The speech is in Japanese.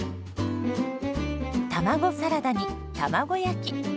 卵サラダに卵焼き。